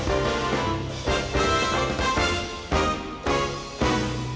โปรดติดตามตอนต่อไป